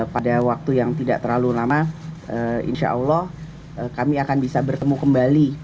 pada waktu yang tidak terlalu lama insya allah kami akan bisa bertemu kembali